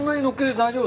大丈夫。